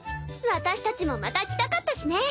私たちもまた来たかったしね。